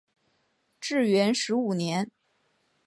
至元十五年。